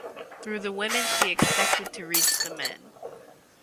Through the women she expected to reach the men.